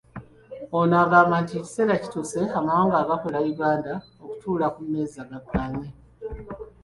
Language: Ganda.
Ono agamba nti ekiseera kituuse amawanga agakola Uganda okutuula ku mmeeza gakkaanye.